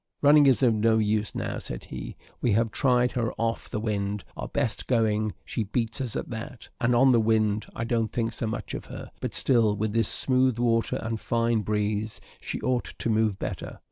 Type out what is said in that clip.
"Running is of no use now," said he; "we have tried her off the wind, our best going; she beats us at that; and on a wind, I don't think so much of her; but still, with this smooth water and fine breeze, she ought to move better.